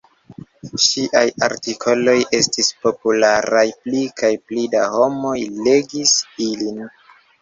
Ŝiaj artikoloj estis popularaj, pli kaj pli da homoj legis ilin.